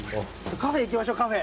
カフェ行きましょうカフェ。